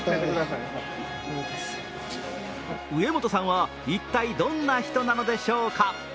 植本さんは一体どんな人なのでしょうか。